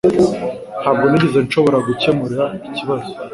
Ntabwo nigeze nshobora gukemura ikibazo.